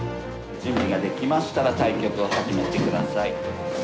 準備ができましたら対局を始めて下さい。